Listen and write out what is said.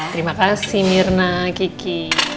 terima kasih mirna kiki